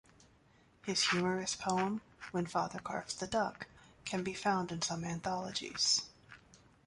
His humorous poem, "When Father Carves the Duck", can be found in some anthologies.